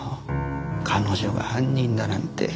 彼女が犯人だなんて。